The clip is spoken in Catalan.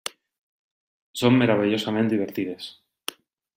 Són meravellosament divertides.